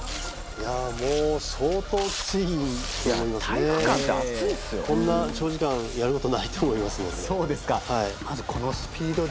・いやもう相当きついと思いますね・・こんな長時間やることないと思いますので・・